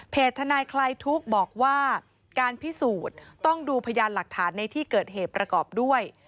ทนายคลายทุกข์บอกว่าการพิสูจน์ต้องดูพยานหลักฐานในที่เกิดเหตุประกอบด้วย